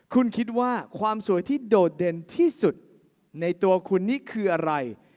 คุณคิดว่าความสวยที่โดดเด่นที่สุดในตัวคุณนี่คืออะไร